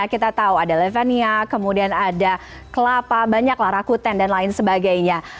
kita tahu ada levania kemudian ada kelapa banyaklah rakuten dan lain sebagainya